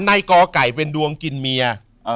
กอไก่เป็นดวงกินเมีย